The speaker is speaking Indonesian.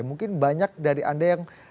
mungkin banyak dari anda yang